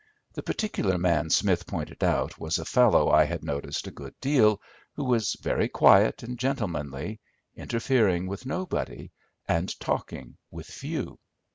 The particular man Smith pointed out was a fellow I had noticed a good deal, who was very quiet and gentlemanly, interfering with nobody, and talking with few.